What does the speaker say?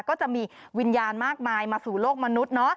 ก็จะมีวิญญาณมากมายมาสู่โลกมนุษย์